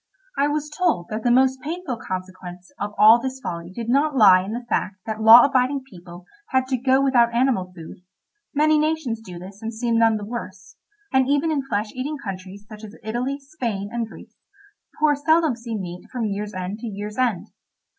I was told that the most painful consequence of all this folly did not lie in the fact that law abiding people had to go without animal food—many nations do this and seem none the worse, and even in flesh eating countries such as Italy, Spain, and Greece, the poor seldom see meat from year's end to year's end.